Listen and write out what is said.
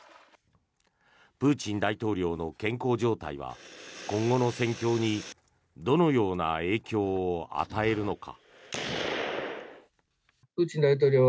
プーチン大統領の健康状態は今後の戦況にどのような影響を与えるのか。